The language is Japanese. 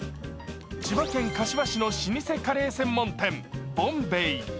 千葉県柏市の老舗カレー専門店、ボンベイ。